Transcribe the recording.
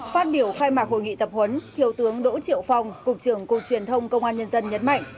phát biểu khai mạc hội nghị tập huấn thiếu tướng đỗ triệu phong cục trưởng cục truyền thông công an nhân dân nhấn mạnh